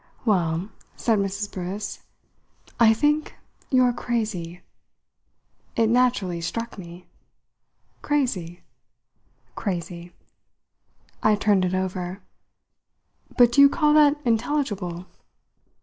"Well," said Mrs. Briss, "I think you're crazy." It naturally struck me. "Crazy?" "Crazy." I turned it over. "But do you call that intelligible?"